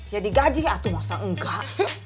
ya digaji aku masa enggak